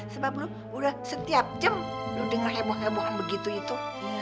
sebab lu udah setiap jam lu denger heboh hebohkan begitu itu